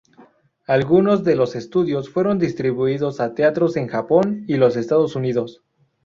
Algunos de los Estudios fueron distribuidos a teatros en Japón y los Estados Unidos.